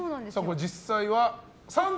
実際は△。